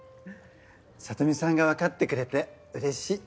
サトミさんが分かってくれてうれしい。